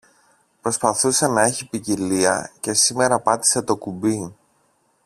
Προσπαθούσε να έχει ποικιλία και σήμερα πάτησε το κουμπί